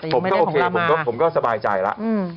ผมก็โอเคผมก็สบายใจแล้ว